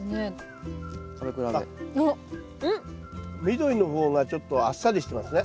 緑の方がちょっとあっさりしてますね。